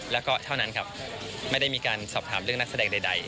แล้วก็เท่านั้นครับไม่ได้มีการสอบถามเรื่องนักแสดงใด